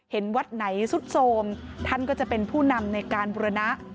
วัดไหนสุดโทรมท่านก็จะเป็นผู้นำในการบุรณะ